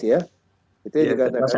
ya menunggu buya anwar abbas ya